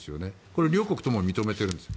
これは両国とも認めているんです。